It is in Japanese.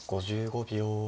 ５５秒。